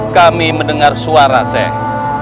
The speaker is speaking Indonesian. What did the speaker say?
kami mendengar suara saya